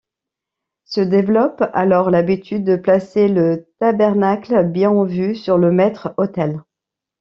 Se développe alors l’habitude de placer le tabernacle, bien en vue, sur le maître-autel.